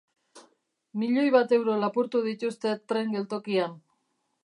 Milioi bat euro lapurtu dituzte tren geltokian